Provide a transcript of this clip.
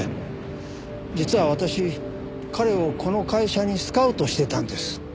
実は私彼をこの会社にスカウトしてたんです。